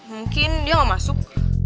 mungkin dia gak masuk